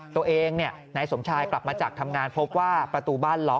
ตัวเองนายสมชายกลับมาจากทำงานพบว่าประตูบ้านล็อก